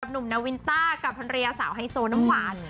หนุ่มนาวินตากับภัณฑริยาสาวไฮโซเหมือนอน